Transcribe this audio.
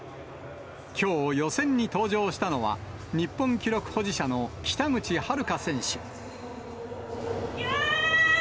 きょう、予選に登場したのは、日本記録保持者の北口榛花選手。